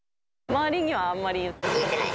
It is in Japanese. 周りにはあんまり言ってない？